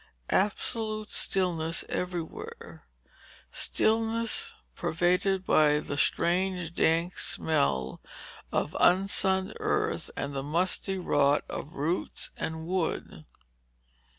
Absolute stillness everywhere, stillness pervaded by the strange, dank smell of unsunned earth and the musty rot of roots and wood.